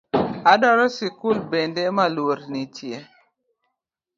Adwaro sikul bende maluor nitie